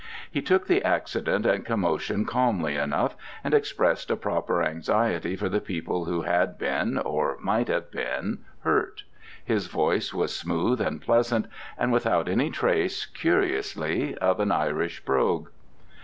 He took the accident and commotion calmly enough, and expressed a proper anxiety for the people who had been, or might have been, hurt: his voice was smooth and pleasant, and without any trace, curiously, of an Irish brogue.